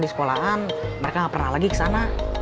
di sekolahan mereka nggak pernah lagi kesana